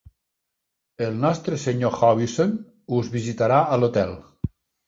El nostre senyor Howison us visitarà a l'hotel.